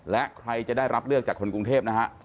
และใครจะได้รับเลือกจากคนกรุงเทพนะฮะ